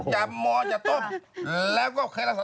จำมอดจำต้มแล้วก็เคยลักษณะปลา